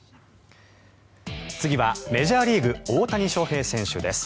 次はメジャーリーグ大谷翔平選手です。